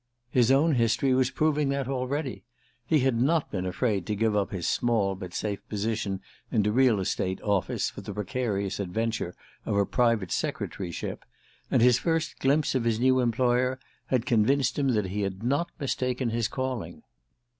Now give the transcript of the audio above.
His own history was proving that already. He had not been afraid to give up his small but safe position in a real estate office for the precarious adventure of a private secretaryship; and his first glimpse of his new employer had convinced him that he had not mistaken his calling.